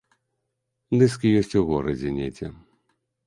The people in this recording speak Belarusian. Дыскі ёсць у горадзе недзе.